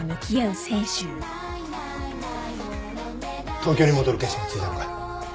東京に戻る決心はついたのか？